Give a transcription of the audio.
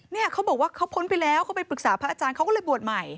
เนี่ยเขาบอกว่าเขาพ้นไปแล้วเขาไปปรึกษาพระอาจารย์เขาก็เลยบวชใหม่